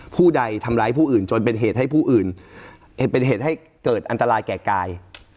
ผู้ใดทำร้ายผู้อื่นจนเป็นเหตุให้ผู้อื่นเป็นเหตุให้เกิดอันตรายแก่กาย